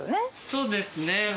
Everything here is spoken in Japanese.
そうですね。